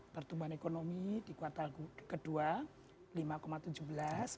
pertumbuhan ekonomi di kuartal ke dua lima tujuh belas